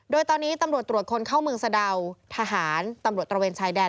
โดยตอนนี้ตำรวจตรวจคนเข้าเมืองสะดาวทหารตำรวจตระเวนชายแดน